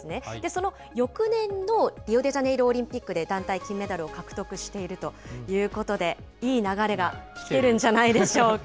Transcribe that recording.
その翌年のリオデジャネイロオリンピックで団体金メダルを獲得しているということで、いい流れが来てるんじゃないでしょうか。